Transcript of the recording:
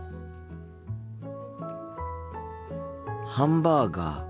ハンバーガー。